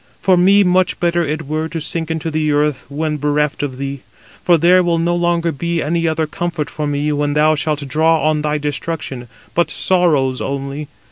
For me much better it were to sink into the earth, when bereft of thee; for there will no longer be any other comfort for me when thou shalt draw on thy destruction; but sorrows only.